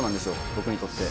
僕にとって。